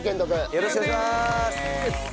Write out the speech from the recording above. よろしくお願いします！